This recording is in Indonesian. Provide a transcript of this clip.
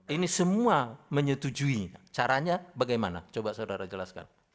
ini semua menyetujuinya caranya bagaimana coba saudara jelaskan